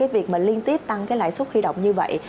việc liên tiếp tăng lãi suất khuy động như vậy